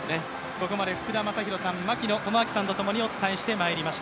ここまで福田正博さん、槙野智章さんとともにお伝えしてまいりました。